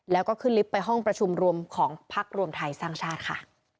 แล้วก็ขึ้นลิฟต์ไปห้องประชุมรวมของพักรวมไทยสร้างชาติค่ะ